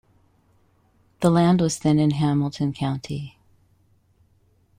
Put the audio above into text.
The land was then in Hamilton County.